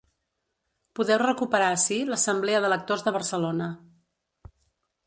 Podeu recuperar ací l’assemblea de lectors de Barcelona.